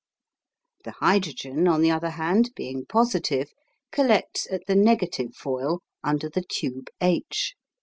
The hydrogen, on the other hand, being positive, collects at the negative foil under the tube H.